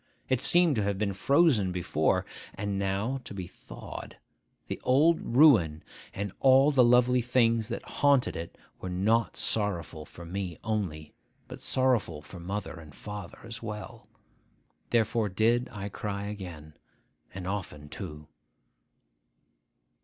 It seemed to have been frozen before, and now to be thawed. The old ruin and all the lovely things that haunted it were not sorrowful for me only, but sorrowful for mother and father as well. Therefore did I cry again, and often too.